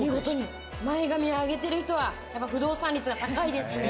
前髪上げてる人は、やっぱり不動産率が高いですね。